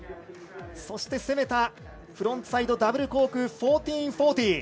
そして、攻めたフロントサイドダブルコーク１４４０。